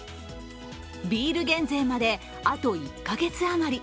ビール減税まで、あと１か月余り。